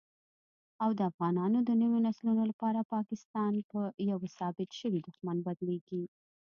او دافغانانو دنويو نسلونو لپاره پاکستان په يوه ثابت شوي دښمن بدليږي